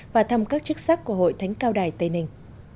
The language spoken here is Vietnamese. và thăm các chức sắc của hội thánh cao đài tây ninh